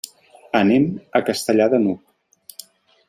Anem a Castellar de n'Hug.